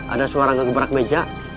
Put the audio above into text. ada suara ngegebrak meja